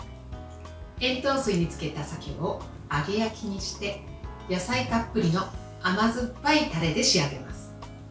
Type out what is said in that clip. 塩糖水に漬けた鮭を揚げ焼きにして野菜たっぷりの甘酸っぱいタレで仕上げます。